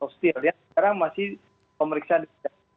sekarang masih pemeriksaan